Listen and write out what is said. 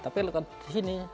tapi lo kan di sini